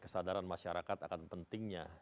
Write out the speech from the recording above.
kesadaran masyarakat akan pentingnya